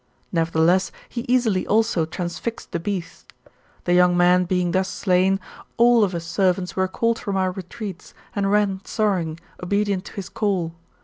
Nevertheless, he easily also transfixed the beast. The young man being thus slain, all of us servants were called from our retreats, and ran sorrowing, obedient to his call.